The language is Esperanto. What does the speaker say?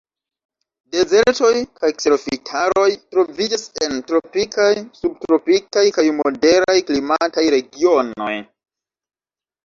Dezertoj kaj kserofitaroj troviĝas en tropikaj, subtropikaj, kaj moderaj klimataj regionoj.